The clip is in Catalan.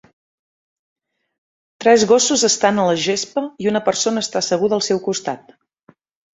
Tres gossos estan a la gespa i una persona està asseguda al seu costat.